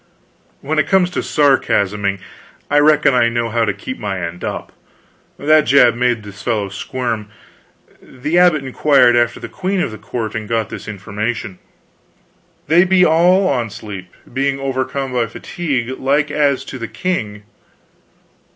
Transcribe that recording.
When it comes to sarcasming, I reckon I know how to keep my end up. That jab made this fellow squirm. The abbot inquired after the queen and the court, and got this information: "They be all on sleep, being overcome by fatigue, like as to the king."